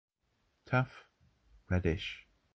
Tough, reddish.